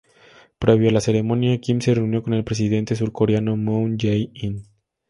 Previo a la ceremonia, Kim se reunió con el presidente surcoreano Moon Jae-in.